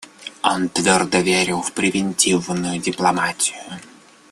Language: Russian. Он твердо верил в превентивную дипломатию.